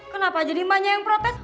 kenapa jadi banyak yang protes